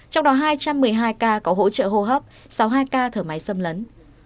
trong đó hai trăm một mươi hai ca có hỗ trợ hô hấp sáu mươi hai ca thở máy xâm lấn